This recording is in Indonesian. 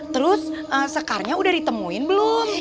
terus sekarnya udah ditemuin belum